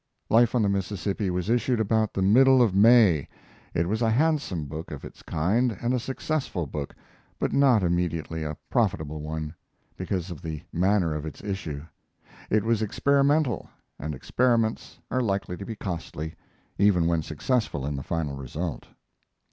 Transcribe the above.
Life on the Mississippi was issued about the middle of May. It was a handsome book of its kind and a successful book, but not immediately a profitable one, because of the manner of its issue. It was experimental, and experiments are likely to be costly, even when successful in the final result.